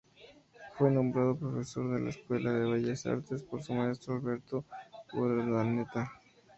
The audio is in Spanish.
Fue nombrado profesor de la Escuela de Bellas Artes por su maestro Alberto Urdaneta.